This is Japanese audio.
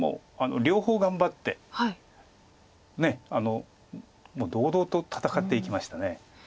両方頑張ってもう堂々と戦っていきました。